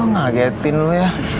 ngagetin lu ya